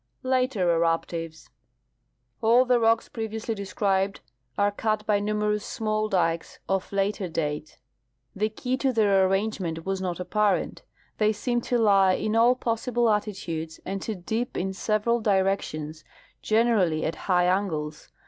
Later Eruptives. — All the rocks previously described are cut by numerous small dikes of later date. The key to their arrange ]nent Avas not apparent. They seem to lie in all possible atti (32 //. F. Held — Studies of Muir Glacier. tudes and to dip in several directions, generally at high angles.